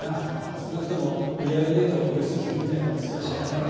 少なくとも売り上げデータを流出するみたいなミスはしないだろ。